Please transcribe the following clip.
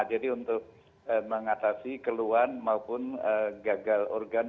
jadi untuk mengatasi keluhan maupun gagal organ